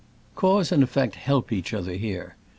Cause and effect help each other here.